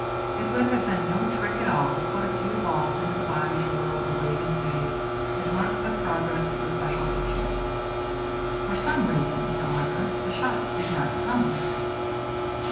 It would have been no trick at all to put a few balls into the body below the waving weeds that marked the progress of the special agent. For some reason, however, the shots did not come.